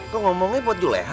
kok ngomongnya buat ju leha